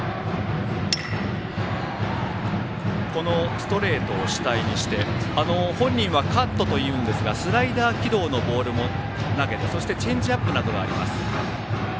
ストレートを主体にして本人はカットと言うんですがスライダー軌道のボールも投げてそしてチェンジアップなどもあります。